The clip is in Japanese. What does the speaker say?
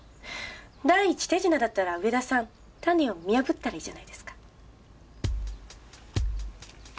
第一手品だったら上田さんタネを見破ったらいいじゃないですか。